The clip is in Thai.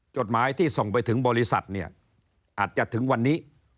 จดหมายที่ส่งไปถึงบริษัทเนี่ยอาจจะถึงวันนี้